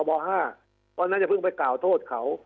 เพราะนั้นจะเพิ่งไปกล่าวโทษเขา